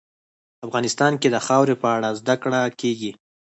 افغانستان کې د خاوره په اړه زده کړه کېږي.